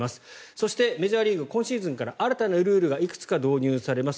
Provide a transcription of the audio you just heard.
そしてメジャーリーグ今シーズンから新たなルールがいくつか導入されます。